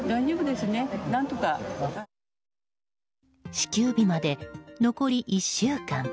支給日まで残り１週間。